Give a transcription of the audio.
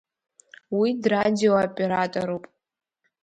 Уи драдио-операторуп.